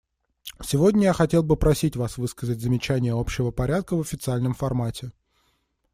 Сегодня я хотел бы просить вас высказать замечания общего порядка в официальном формате.